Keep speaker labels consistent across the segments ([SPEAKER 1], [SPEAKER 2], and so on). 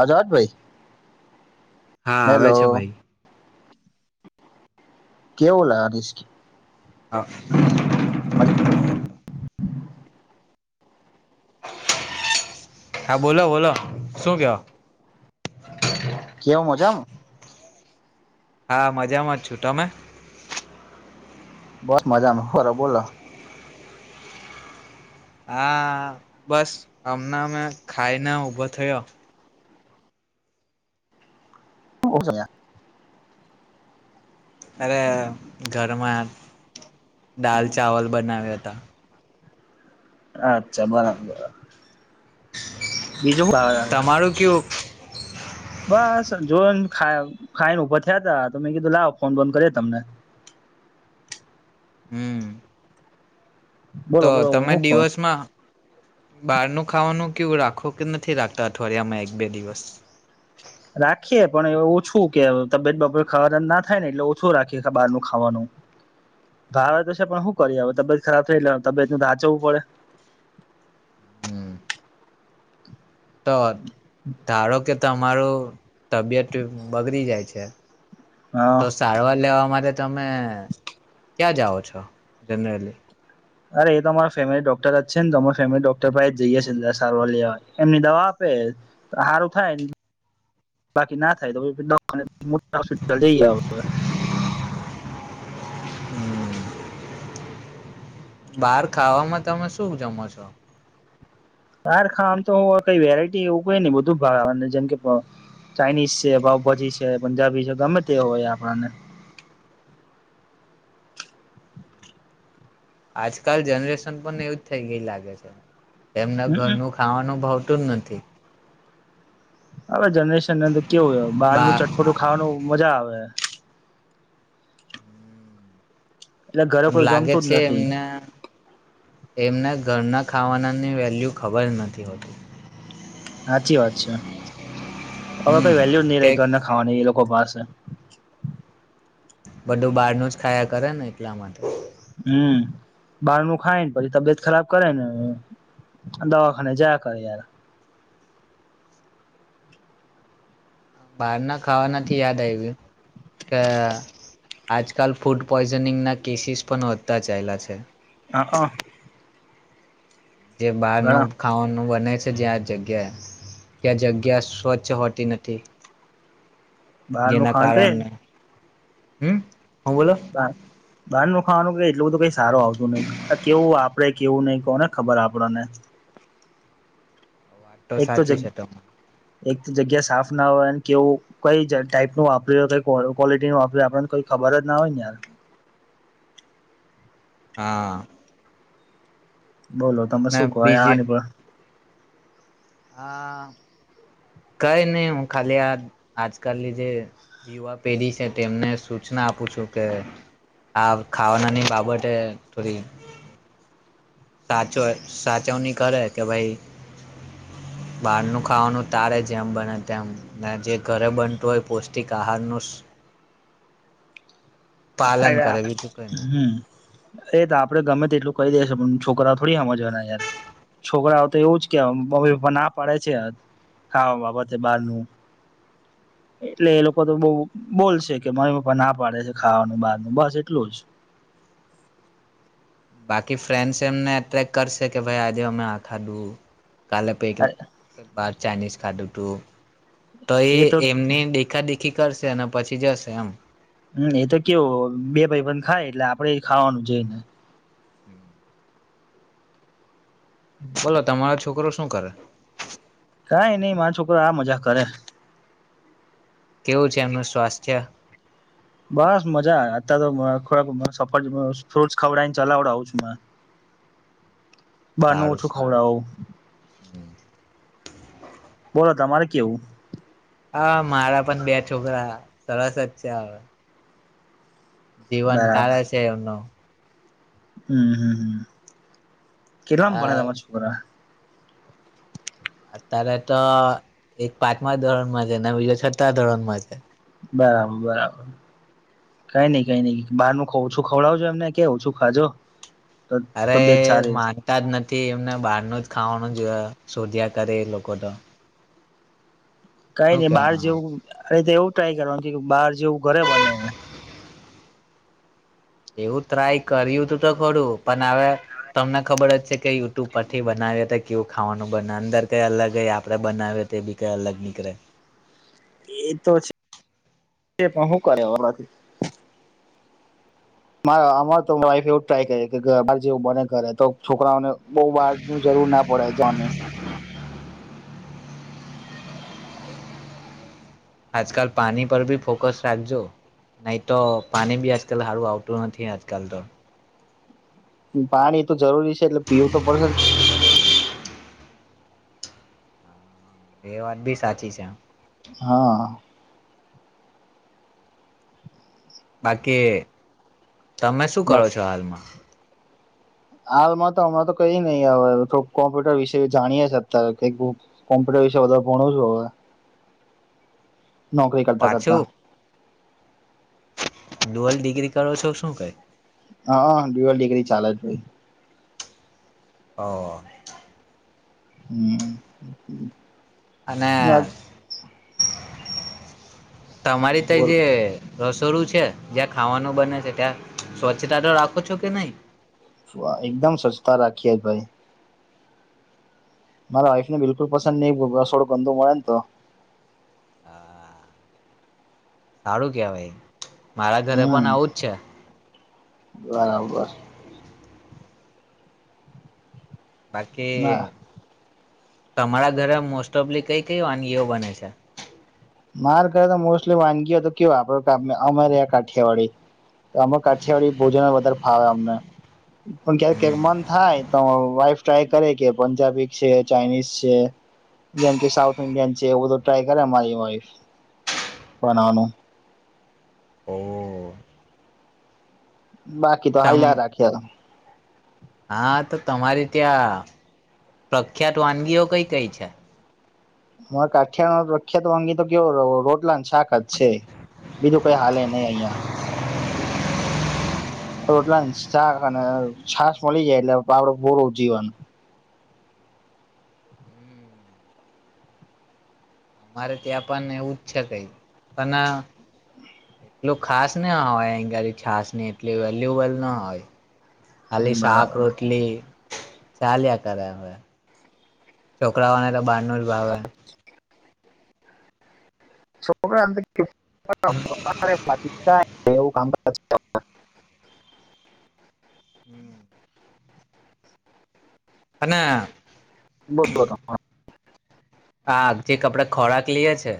[SPEAKER 1] આજાદ ભાઈ.
[SPEAKER 2] હા આવે
[SPEAKER 1] હેલો
[SPEAKER 2] છે, ભાઈ.
[SPEAKER 1] કેવું. [unintelligible]
[SPEAKER 2] હા. [unintelligible] હા બોલો બોલો શું કેવો.
[SPEAKER 1] કેવ મજામાં.
[SPEAKER 2] હા મજામાં જ છું, તમે.
[SPEAKER 1] બસ મજામાં હોરા બોલો.
[SPEAKER 2] હા બસ હમણાં અમે ખાઈને ઉભો થયો.
[SPEAKER 1] [unintelligible]
[SPEAKER 2] અરે ઘરમાં દાલ ચાવલ બનાવ્યા હતા.
[SPEAKER 1] અચ્છા બરાબર. બીજું હુ.
[SPEAKER 2] તમારું
[SPEAKER 1] [unintelligible]
[SPEAKER 2] કેવું
[SPEAKER 1] બસ જો ખાઈને ભર થયા ત તો મેં કીધું લાવ ફોન બંધ કરી તમને
[SPEAKER 2] હમ તો
[SPEAKER 1] બોલો બોલો
[SPEAKER 2] તમે
[SPEAKER 1] હું કો
[SPEAKER 2] દિવસમાં બહારનું ખાવાનું કેવું રાખો કે નથી રાખતા અઠવાડિયામાં એક બે દિવસ
[SPEAKER 1] રાખીએ પણ એ ઓછું કે તબિયત બાપર ખાવાના ના થાય ને એટલે ઓછું રાખીએ બહાર ન ખાવાનું ભાવે તો છે પણ શું કરીએ હવે તબિયત ખરાબ થઈ એટલે તબિત ન ધાંચવું પડે
[SPEAKER 2] હમ તો ધારો કે તમારું તબિયત બગડી જાય છે
[SPEAKER 1] હા
[SPEAKER 2] તો સારવાર લેવા માટે તમે ક્યાં જાઓ છો જનરલી
[SPEAKER 1] અરે એ તો અરા ફેમિલી ડોક્ટર જ છે ને તો અ ફેમિલી ડોક્ટર ભ જઈએ છે સારવાર લેવા એમની દવા આપે સારું થાય બાકી ના થાય તો મોટા હોસ્પિટલ જઈ
[SPEAKER 2] બહાર ખાવામાં તમે શું જમો છો
[SPEAKER 1] સાર ખા આમ તો કઈ વેરાયટી એવું કઈ નહી બધું ભાગને જેમ કે ચાઇનીઝ છે ભઉભાજી છે પંજાબી છે ગમે તે હોય આપણને [inaudible]
[SPEAKER 2] આજકાલ જનરેશન પણ એવુંજ થઈ ગય લાગે છે એમને
[SPEAKER 1] હમ
[SPEAKER 2] ઘરનું ખાવાનું બ પૂતું નથી
[SPEAKER 1] આવજ જનરેશન ને અંદર કેવું હો બહાર નું
[SPEAKER 2] બા
[SPEAKER 1] ચટપટું ખાવાનું મજા આવે એટલે ઘરે
[SPEAKER 2] પણ
[SPEAKER 1] કોઈ
[SPEAKER 2] લાગે
[SPEAKER 1] જમતું જ
[SPEAKER 2] છે
[SPEAKER 1] નથી
[SPEAKER 2] એમને એમને ઘરના ખાવાનાની વેલ્યુ ખબર નથી હોતી
[SPEAKER 1] સાચી વાત ા હવે કોઈ
[SPEAKER 2] હમ
[SPEAKER 1] વેલ્યુ જ નહી રહી
[SPEAKER 2] કેક
[SPEAKER 1] ઘરને ખાવાની કો પાસ હ
[SPEAKER 2] બધું બહાર ન જ ખાયા કરે ને એટલા માટે
[SPEAKER 1] હમ બહાર ન ખાયને પછી તબિયત ખરાબ કરે ને દવાખાને જયા કરે યાર
[SPEAKER 2] બહાર ના ખાવા નથીથી યાદ આવ્યું અ આજકાલ ફૂડ પોઈઝનિંગના કેસીિસ પણ હોતા ચાલલા છે
[SPEAKER 1] હ હ
[SPEAKER 2] જે બહાર ન ખાવાનું બને છે જ્યાં જગ્યા ત્યાં જગ્યા સ્વચ્છ હોતી નથી
[SPEAKER 1] બહારમાં
[SPEAKER 2] જેના
[SPEAKER 1] ખા કે
[SPEAKER 2] કારણે હમ હું બોલો
[SPEAKER 1] બંધ ન ખાવાનું કે એટલું બધું કઈ સારું આવતું નહિ આ કેવું આપડે કેવું નહીં કોને ખબર આપણને
[SPEAKER 2] વાત
[SPEAKER 1] એક તો
[SPEAKER 2] સાચી છે
[SPEAKER 1] જગ્યા
[SPEAKER 2] તમારી
[SPEAKER 1] એક તો જગ્યા સાફ ના હોય કેવું કઈ ટાઈપ નું વાપર્યું કઈ ક્વોલિટી નું વાપર્યું આપને કોઈ ખબર જ ના હોય ને યાર
[SPEAKER 2] હા,
[SPEAKER 1] બોલો તમે
[SPEAKER 2] ને
[SPEAKER 1] શું કહો,
[SPEAKER 2] બીજે
[SPEAKER 1] આની પણ
[SPEAKER 2] હા કઈ નહી હું ખાલી આ આજકાલની જે યુવા પેઢી છે તેમને સૂચના આપું છું કે આ ખાવાનાની બાબતે થોડી સાચો સાચવણી કરે કે ભાઈ બહારનું ખાવાનું તારે જેમ બને તેમ જે ઘરે બનતું હોય પૌષ્ટિક આહારનું પાલન
[SPEAKER 1] અ
[SPEAKER 2] કરે બીજું કઈ નહી
[SPEAKER 1] હમ એ તો આપડે ગમે તે એટલું કહી દેશે પણ, છોકરાઓ થોડી સમજવાના યાર છોકરાઓ તો એવું જ કે, મમ્મી પપ્પા ના પાડે છે. ખાવા બાબતે બારનું એટલે એ લોકો તો બહ બોલશે કે, મમ્મી પપ્પા ના પાડે છે. ખાવાનું બાર ન બસ એટલું જ.
[SPEAKER 2] બાકી ફ્રેન્ડસ એમને એટ્રેક કરશે. કે ભાઈ આજે અમે આ ખાઘાનું કાલે પૈકી બા ચાઇનીઝ ખા્ધ ટ તો, એ એમને દેખા દેખ આખી કરશે. અને પછી જશે આમ.
[SPEAKER 1] હમ્મ, એ તો કેવું બે ભાઈબંધ ખાય એટલે આપડે ખાવાનું છે. ને
[SPEAKER 2] હમ્મ, બોલો, તમારો છોકરો શુ શું કરે.
[SPEAKER 1] કઈ નઈ, મારો છોકરો આ મજા કરે.
[SPEAKER 2] કેવું છે. એમનું સ્વાસ્થ્ય
[SPEAKER 1] બસ મજા, અત્યારે તોકે સફર સોસ ખવડાયને ચલાવડાવું છું. બાર નું
[SPEAKER 2] સારું
[SPEAKER 1] ઓછું
[SPEAKER 2] સારું
[SPEAKER 1] ખાવડાવું.
[SPEAKER 2] [unintelligible]
[SPEAKER 1] બોલો તમારે કેવું,
[SPEAKER 2] હા, મારા પણ બે છોકરા સરસ જ છે. હ, જીવન કાળલે છે. એમનું,
[SPEAKER 1] હમ્મ, હમ્મ, હ, કેટલામ
[SPEAKER 2] અ
[SPEAKER 1] ભણે તમે છોકરા?
[SPEAKER 2] અત્યારે તો, એક પાંચમા ધોરણમાં છે, ને બીજો છઠા ધોરણ માં છે.
[SPEAKER 1] બરાબર બરાબર. કઈ નઈ, કઈ નઈ, બહાર નુ ઓછું ખવડાવજો. એમને કે ઓછું ખાજો. તો
[SPEAKER 2] અરે
[SPEAKER 1] તબિયત સારી
[SPEAKER 2] માનતા જ નથી. એમને બહારનું જ ખાવાનું. જો સોર્ધ્યા કારે એ લોકો તો
[SPEAKER 1] કઈ
[SPEAKER 2] શું
[SPEAKER 1] ને બહાર
[SPEAKER 2] કેવામાં આવે
[SPEAKER 1] જેવું અને તેવું, ટ્રાય કરવાનું કે, બહાર જેવું ઘરે બને.
[SPEAKER 2] એવું ટ્રાય કર્યું હતું. તો ખોડું પણ હવે, તમને ખબર જ છે, કે યુટ્યુબ પરથી બનાવીએ તો, કેવું ખાવાનું બને અંદર કઈ અલગ હ, આપણેે બનાવીએ તો એ બી કઈ અલગ નીકળે.
[SPEAKER 1] એતો છે. પણ હું કરે હવે, અમારે તો વાઈફ એવું જ ટ્રાય કરી કે, બાર જેવું બને ઘરે તો છોકરાઓને બહુ બહાર જરૂર ના પડે જની
[SPEAKER 2] આજકાલ પાણી પર બી ફોકસ રાખજો નહી, તો પાણી બી આજકાલ સારું આવતું નથી. આજકાલ તો
[SPEAKER 1] પાણી તો જરૂરી છે. એટલે પીવું તો પડશે જ.
[SPEAKER 2] એ વાત બી સાચી છે.
[SPEAKER 1] હા,
[SPEAKER 2] બાકી. તમે શું કરો
[SPEAKER 1] બસ
[SPEAKER 2] છો હાલમાં
[SPEAKER 1] હાલમાં તો હમણાં તો કઈ નહી હવ થોડુ કોમ્પ્યુટર વિશે જાણીએ આત્યાર તા કોમ્પ્યુટર વિશે વધારે ભણું છું હવે, નોકરી કરતા કરતા
[SPEAKER 2] ડોઅલ ડિગ્રી કરો છો શું કઈ
[SPEAKER 1] હા ડુવાલ ડિગરી ચાલે જ ભાઈ.
[SPEAKER 2] હ.
[SPEAKER 1] હમ.
[SPEAKER 2] અને. તમારી તો જે રસોડું છે જ્યાં ખાવાનું બને છે ત્યાં સ્વચ્છતા તો રાખો છો કે નહી
[SPEAKER 1] વાહ એકદમ સ્વચ્છતા રાખીએ ભાઈ. મારા વાઇફ ને બિલકુલ પસંદ નહીં વ રસોડું ગંદું મળે ને તો
[SPEAKER 2] અ આ સારું કેહવાય. મારા ઘરે
[SPEAKER 1] હમ
[SPEAKER 2] પણ આવું જ છે.
[SPEAKER 1] બરાબર ના
[SPEAKER 2] બાકી તમારા ઘરે મોસ્ટ ઓફલી કઈ કઈ વાનગીઓ બને છે?
[SPEAKER 1] મારે ઘર મોસ્ટલી વાનગીઓ તો કે આપણે અ અમે રહ્યા કાઠિયાવાડી અમે કાઠિયાવાડી ભોજન વધારે ફાવે અમને પણ કયારેક કયારેક મન થાય તો વાઈફ ટ્રાય કરે કે પંજાબી છે, ચાાઈનીઝ છે જેમ કે સાઉથ ઇન્ડિયન છે એવું બધ ટ્રાય કરે એ મારી વાઈફ. બનાવાનું.
[SPEAKER 2] ઓ
[SPEAKER 1] બાકી તો
[SPEAKER 2] તમ
[SPEAKER 1] હાયલા રાખીએ
[SPEAKER 2] હા તો તમારી ત્યાં પ્રખ્યાત વાનગીઓ કઈ-કઈ છે?
[SPEAKER 1] અમાર કાઠિયાવાડ ન પ્રખ્યાત વાનગી તો કેવો રોટલા ન શાક જ છે. બીજું કંઈ હાલે નહીં અહીંયા. રોટલા ન સાક અને છાસ મલી જાય, એટલે આપડું પૂરું જીવન.
[SPEAKER 2] અમારે ત્યાં પણ એવું જ છે કઈ પન એટલું ખાસ ના હોય અહી ગરી છાસની એટલી વેલ્યુબલ ના હોય. ખાલી શાક
[SPEAKER 1] બરાબર
[SPEAKER 2] રોટલી ચાલ્યા કરે હવે છોકરાઓને તો બારનુ જ ભાવે.
[SPEAKER 1] [unintelligible] કે [inaudible] બાકી થાય એવું કામકાજ
[SPEAKER 2] હમ્મ. અને
[SPEAKER 1] બોલો તમે
[SPEAKER 2] હા જે આપડે ખોરાક લીએ છે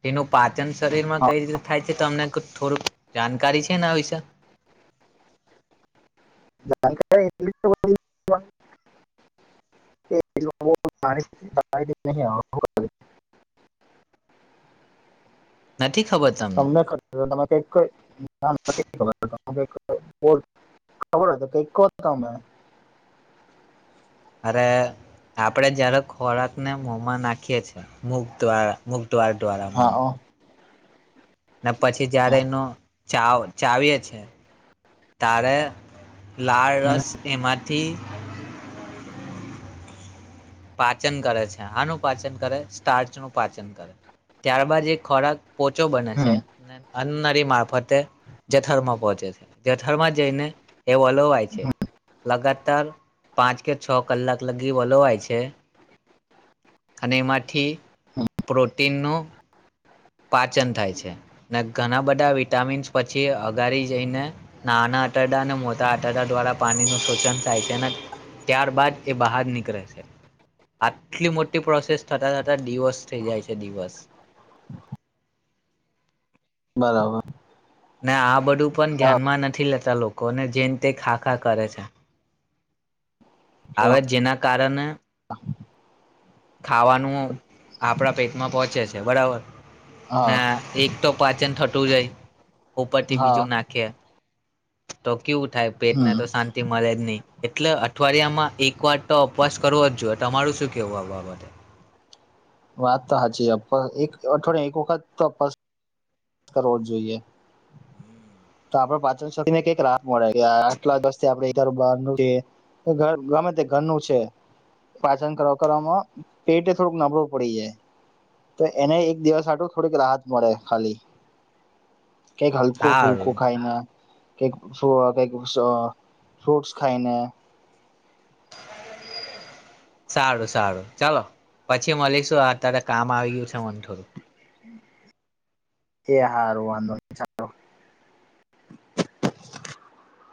[SPEAKER 2] તેનું પાચન શરીરમાં કઈ રીતે થાય છે તો તમને થોડુંક જાણકારી છે એના વિશે?
[SPEAKER 1] [unintelligible] તમને [unintelligible] તમને કઈ
[SPEAKER 2] નથી ખબર તમને
[SPEAKER 1] કઈ [inaudible] [unintelligible] ખબર હોય તો કઈક કો તમે.
[SPEAKER 2] અરે આપડે જયારે ખોરાકને મોમાં નાખીએ છીએ મુખ દ્વારા મુ ખ દ્વાર દ્વારા મો
[SPEAKER 1] હા
[SPEAKER 2] મ
[SPEAKER 1] ઓ,
[SPEAKER 2] ને પછી જયારે
[SPEAKER 1] હા.
[SPEAKER 2] એનું ચાવ ચાવીએ છે. તારે
[SPEAKER 1] હમ,
[SPEAKER 2] લાળરસ એમાંથી પાચન કરે છે હાનું પાચન કરે, સ્ટાર્ચનું પાચન કરે ત્યારબાદ એ ખોરાક પોચો બને છે
[SPEAKER 1] હમ,
[SPEAKER 2] ને અન્ન ળી મારફતે જઠરમાં પહચે છે જઠરમાં જઈને એ વલોવાય છે. લગાતાર પાંચ કે છ કલાક લગી વલોવાય છે. એ [unintelligible] અને એમાંથી પ્રોટીનનું પાચન થાય છે. ને ઘણા બધા વિટામિન્સ પછી અગારી જઈને, નાના આતરડાં અને મોટા આટરડા દ્વારા પાણીનું શોષન થાય છે. અને ત્યારબાદ એ બહાર નીકળે, આટલી મોટી પ્રોસેસ થતા થતા દિવોસ થઈ જાય છે દિવસ.
[SPEAKER 1] બરાબર!
[SPEAKER 2] ને આ બધું પણ,
[SPEAKER 1] હા
[SPEAKER 2] ધ્યાનમાં નથી લેતા લોકો. કોને જેને તે ખા ખા કરે છે. [unintelligible]
[SPEAKER 1] તો,
[SPEAKER 2] હવે જેના કારણે ખાવાનું આપણા પેટમાં પહોંચે છે. બરાબર!
[SPEAKER 1] હા
[SPEAKER 2] ના એક તો પાચન થતૂ ટું જાય ઉપરથી
[SPEAKER 1] હા
[SPEAKER 2] બીજુ નાખે. તો! કેવું થાય, પેટ ને
[SPEAKER 1] હમ
[SPEAKER 2] તો શાંતિ મળે જ નહી. એટલે અઠવાડિયા માં એક વાર તો અપવાસ કરવો જ જોઈએ. તમારું શું કેવું આ બાબ--? પોતે. [inaudible]
[SPEAKER 1] વાત તો સાચી છે. પણ એક અઠવાડિયા એક વખત તો અપવાસ કરવો જ જોઈએ. તો આપણા પાચન શક્તિને કંઈ રાહ મળે [inaudible] આટલા દસ થી આપડે દરબાર કે ગમે તે ઘરનું છે પાચન કરવામાં પેટે થોડુંક નબળું પડી જાય. તો એને એક દિવસ હાટું થોડીક રાહત મળે ખાલી. કંઈક હલકો ફૂલકો
[SPEAKER 2] સારું
[SPEAKER 1] ખાઈને. કઈક સ કઈક સઅ ફ્રૂટ્સ ખાઈને.
[SPEAKER 2] [unintelligible] સારું સારું ચાલો, પછી મળીશું અત્યારે કામ આવી ગયું છે મને થોડું.
[SPEAKER 1] એ હા હારું વાંધો નહી ચાલો.